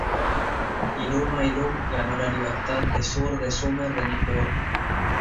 Iluma-ilum ganó la libertad de sur de Sumer de Nippur.